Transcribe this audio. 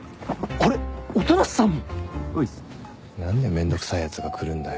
何でめんどくさいやつが来るんだよ。